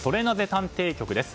探偵局です。